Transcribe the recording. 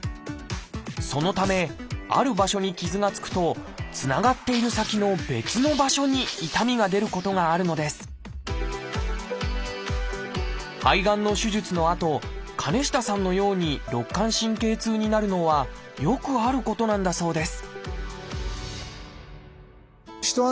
そのためある場所に傷がつくとつながっている先の別の場所に痛みが出ることがあるのです肺がんの手術のあと鐘下さんのように肋間神経痛になるのはよくあることなんだそうです